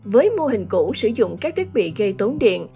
với mô hình cũ sử dụng các thiết bị gây tốn điện